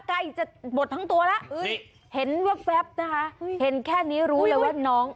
ใจจะบดทั้งตัวแล้วเห็นแค่นี้รู้แล้วว่ะน้อง